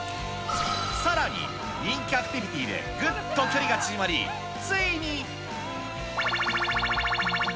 さらに、人気アクティビティーでぐっと距離が縮まり、ついに。